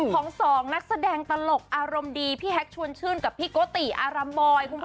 ของสองนักแสดงตลกอารมณ์ดีพี่แฮชชวนชื่นกับพี่โกติอารัมบอยคุณผู้ชม